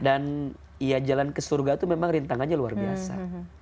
dan ya jalan ke surga itu memang rintangannya luar biasa